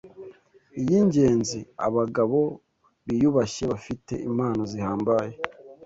y’ingenzi — abagabo biyubashye, bafite impano zihambaye,